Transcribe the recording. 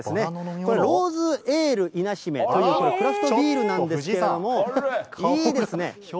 これ、ローズエールイナ姫という、クラフトビールなんですけれども、いいですね。